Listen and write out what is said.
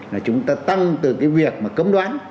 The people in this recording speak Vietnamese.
là chúng ta tăng từ cái việc mà cấm đoán